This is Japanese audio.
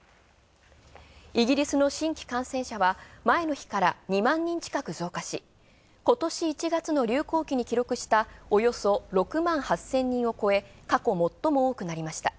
イギリスの新規感染者は前の日から２万人近く増加し、今年１月の流行期に記録した、およそ６万８０００人を超え、過去最も多くなりました。